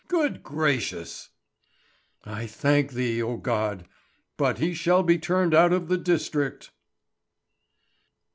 Good gracious! "I thank Thee, O God! But he shall be turned out of the district!"